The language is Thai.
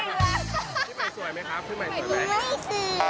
พี่ใหม่สวยไหมครับพี่ใหม่สวยไหม